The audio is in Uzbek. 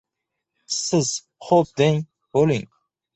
— Siz xo‘p deng, bo‘ling!